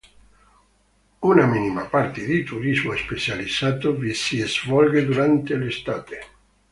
Una minima parte di turismo specializzato vi si svolge durante l'estate.